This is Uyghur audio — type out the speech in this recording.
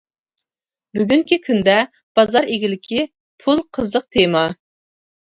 بۈگۈنكى كۈندە «بازار ئىگىلىكى» پۇل «قىزىق تېما» .